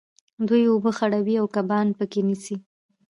دوی اوبه خړوي او کبان په کې نیسي.